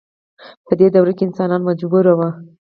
په دې دوره کې انسانان مجبور وو.